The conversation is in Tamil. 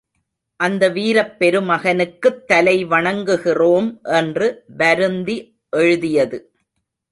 அந்த வீரப் பெருமகனுக்குத் தலை வணங்குகிறோம் என்று வருந்தி எழுதியது.